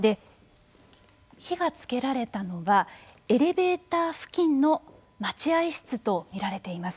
火がつけられたのはエレベーター付近の待合室とみられています。